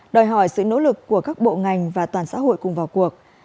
đòi hỏi sự nỗ lực của các bộ ngành và toàn xã hội cùng vào cuộc